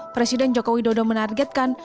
presiden jokowi dodo menargetkan